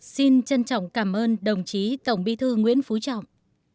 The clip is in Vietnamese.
xin trân trọng cảm ơn đồng chí tổng bí thư nguyễn phú trọng